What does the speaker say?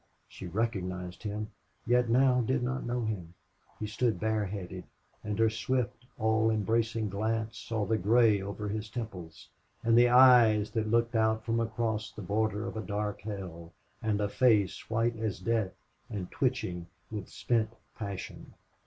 She recognized him, yet now did not know him. He stood bareheaded, and her swift, all embracing glance saw the gray over his temples, and the eyes that looked out from across the border of a dark hell, and face white as death and twitching with spent passion.